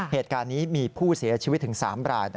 เหตุการณ์นี้มีผู้เสียชีวิตถึง๓ราย